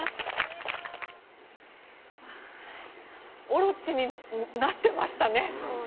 オロチになってましたね。